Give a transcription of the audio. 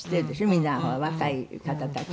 みんなほら若い方たち。